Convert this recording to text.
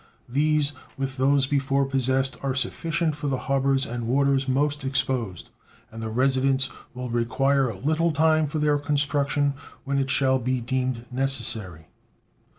These, with those before possessed, are sufficient for the harbors and waters most exposed, and the residents will require little time for their construction when it shall be deemed necessary.